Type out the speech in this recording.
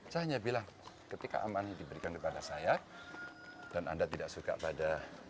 saya hanya bilang ketika aman diberikan kepada saya dan anda tidak suka pada